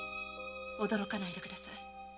驚かないでください。